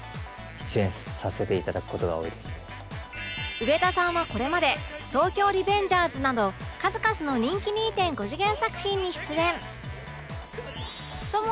上田さんはこれまで『東京リベンジャーズ』など数々の人気 ２．５ 次元作品に出演